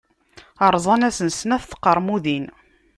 Rẓan-asen snat n tqermudin.